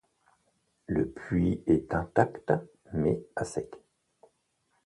Le puits est intact, mais à sec.